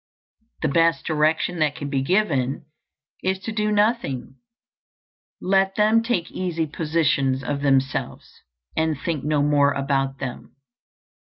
The best direction that can be given is to do nothing. Let them take easy positions of themselves, and think no more about them.